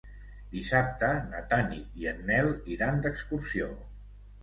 Dissabte na Tanit i en Nel iran d'excursió.